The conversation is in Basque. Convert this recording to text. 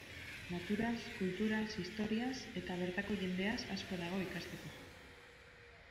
Naturaz, kulturaz, historiaz, eta bertako jendeaz asko dago ikasteko.